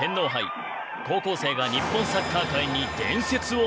高校生が日本サッカー界に伝説を残した。